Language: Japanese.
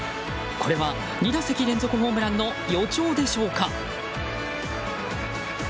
これは２打席連続ホームランの予兆でしょうか？